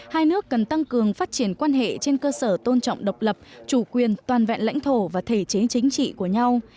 hai nước cần tăng cường phát triển quan hệ trên cơ sở tôn trọng độc lập chủ quyền toàn vẹn lãnh thổ và thể chế chính trị của nhau